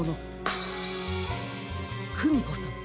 クミコさん